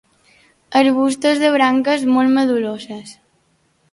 Arbustos de branques molt medul·loses.